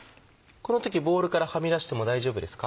この時ボウルからはみ出しても大丈夫ですか？